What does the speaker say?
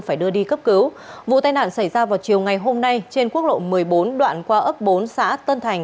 phải đưa đi cấp cứu vụ tai nạn xảy ra vào chiều ngày hôm nay trên quốc lộ một mươi bốn đoạn qua ấp bốn xã tân thành